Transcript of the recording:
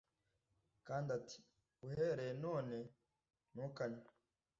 Kandi ati Uhereye none ntukanywe